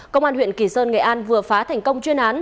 công an huyện kỳ sơn nghệ an vừa phá thành công chuyên án